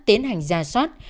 tiến hành ra soát